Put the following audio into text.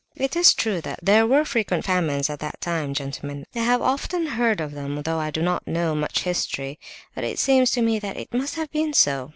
"It is true that there were frequent famines at that time, gentlemen. I have often heard of them, though I do not know much history. But it seems to me that it must have been so.